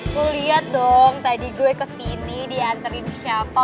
lo liat dong tadi gue kesini diantrin siapa